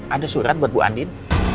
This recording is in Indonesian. ada surat buat bu andin